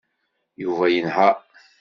Yuba yenheṛ.